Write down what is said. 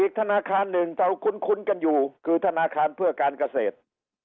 ธนาคารหนึ่งเราคุ้นกันอยู่คือธนาคารเพื่อการเกษตร